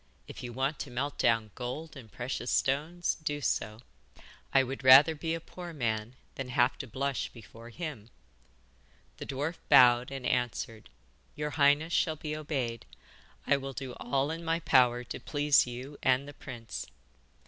If you want to melt down gold and precious stones, do so. I would rather be a poor man than have to blush before him.' The dwarf bowed and answered: 'Your highness shall be obeyed. I will do all in my power to please you and the prince.